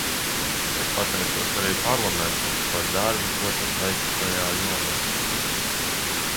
Es pateicos arī Parlamentam par darbu, ko tas veic šajā jomā.